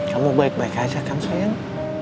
kamu baik baik aja kan sayang